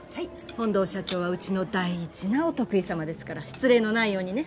本藤社長はうちの大事なお得意様ですから失礼のないようにね。